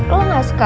lo gak suka